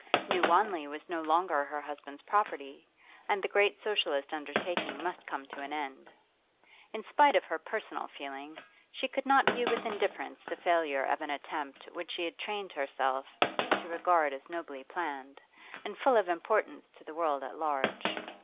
New Wanley was no longer her husband's property, and the great Socialist undertaking must come to an end. In spite of her personal feeling, she could not view with indifference the failure of an attempt which she had trained herself to regard as nobly planned, and full of importance to the world at large.